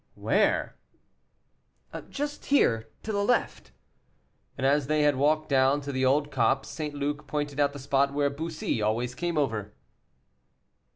"Where?" "Just here to the left." And as they had walked down to the old copse, St. Luc pointed out the spot where Bussy always came over.